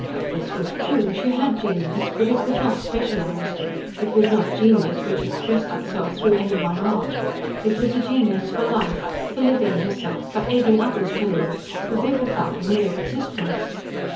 This was true. She had genius, but it was not specialised. It was not genius which expressed itself through any one art. It was a genius for life, for living herself, for aiding others to live, for vivifying mere existence.